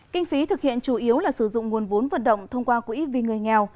kinh phí thực hiện chủ yếu là sử dụng nguồn vốn vận động thông qua quỹ vì người nghèo